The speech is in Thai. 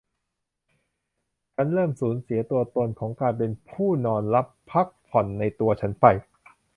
ฉันเริ่มสูญเสียตัวตนของการเป็นผู้นอนหลับพักผ่อนในตัวฉันไป